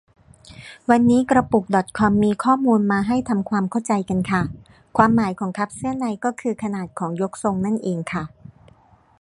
วันนี้กระปุกดอทคอมมีข้อมูลมาให้ทำความเข้าใจกันค่ะ ความหมายของ คัพเสื้อใน ก็คือขนาดของยกทรงนั่นเองค่ะ